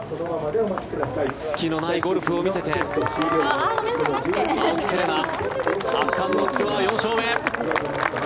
隙のないゴルフを見せて青木瀬令奈圧巻のツアー４勝目。